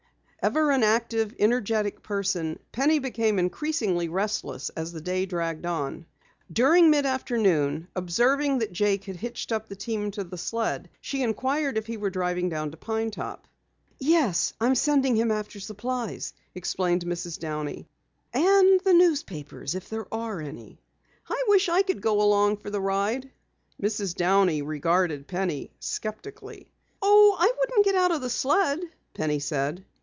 Ever an active, energetic person, Penny became increasingly restless as the day dragged on. During mid afternoon, observing that Jake had hitched up the team to the sled, she inquired if he were driving down to Pine Top. "Yes, I am sending him after supplies," explained Mrs. Downey. "And the newspapers if there are any." "I wish I could go along for the ride." Mrs. Downey regarded Penny skeptically. "Oh, I wouldn't get out of the sled," Penny said.